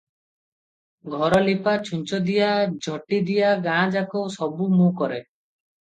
ଘରଲିପା, ଛୁଞ୍ଚ ଦିଆ, ଝୋଟିଦିଆ ଗାଁଯାକ ସବୁ ମୁଁ କରେ ।